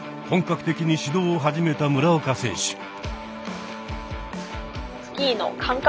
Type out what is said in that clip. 本格的に始動を始めた村岡選手。